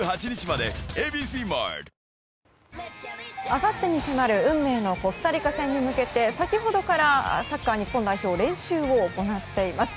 あさってに迫る運命のコスタリカ戦に向けて先ほどからサッカー日本代表練習を行っています。